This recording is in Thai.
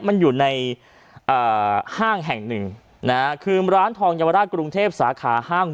มันอยู่ในห้างแห่งหนึ่งนะฮะคือร้านทองเยาวราชกรุงเทพสาขาห้าง